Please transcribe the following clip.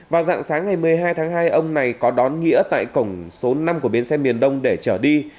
vào dạng sáng ngày một mươi hai tháng hai ông này có đón nghĩa tại cổng số năm của bến xe miền đông để trở đi